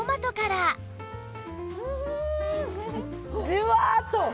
ジュワーッと！